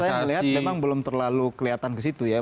saya melihat memang belum terlalu kelihatan ke situ ya